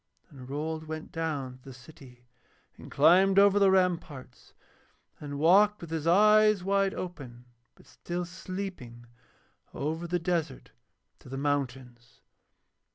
And Rold went down through the city and climbed over the ramparts, and walked with his eyes wide open but still sleeping over the desert to the mountains.